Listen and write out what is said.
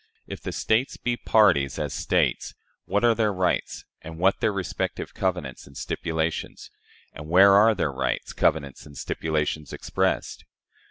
If the States be parties, as States, what are their rights, and what their respective covenants and stipulations? and where are their rights, covenants, and stipulations expressed?